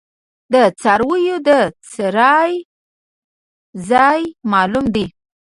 د څارویو د څرائ ځای معلوم دی؟